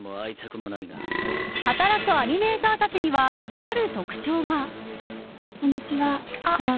働くアニメーターたちにはある特徴が。